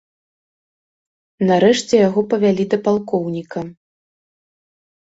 Нарэшце яго павялі да палкоўніка.